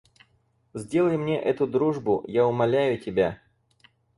Сделай мне эту дружбу, я умоляю тебя!